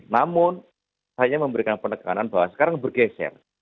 namun saya memberikan penekanan bahwa sekarang bergeser